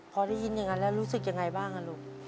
พอได้ยินอย่างนั้นแล้วรู้สึกยังไงบ้างลูก